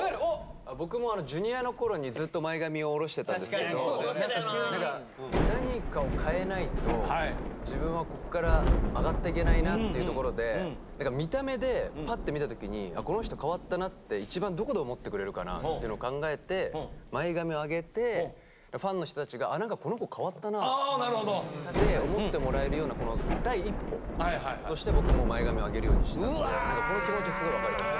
僕もＪｒ．のころにずっと前髪を下ろしてたんですけど急に何かを変えないと自分はこっから上がっていけないなっていうところで何か見た目でパッて見た時に「この人変わったな」って一番どこで思ってくれるかなっていうのを考えて前髪を上げてファンの人たちが「何かこの子変わったな」って思ってもらえるような第一歩として僕も前髪を上げるようにしたのでこの気持ちすごい分かります。